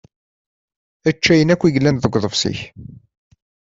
Ečč ayen akk i yellan deg uḍebsi-k.